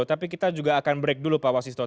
tapi kita juga akan break dulu pak wasisto